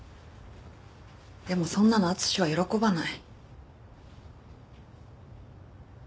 でもそんなの敦は喜ばない。